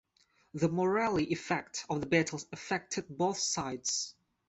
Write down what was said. The morale effect of the battle affected both sides.